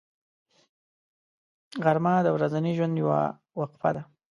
غرمه د ورځني ژوند یوه وقفه ده